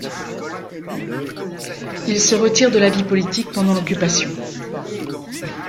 Il se retire de la vie politique pendant l’Occupation.